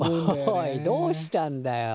おいどうしたんだよ。